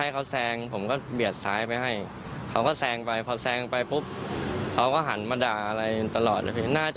แล้วผมก็หาทางที่จะให้เขาแซง